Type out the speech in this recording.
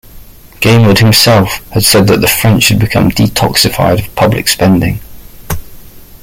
Gaymard himself had said that the French should become "detoxified" of public spending.